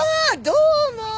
どうも。